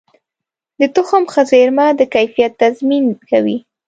د تخم ښه زېرمه د کیفیت تضمین کوي.